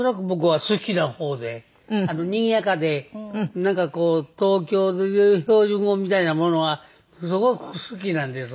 にぎやかでなんかこう東京でいう標準語みたいなものはすごく好きなんですわ。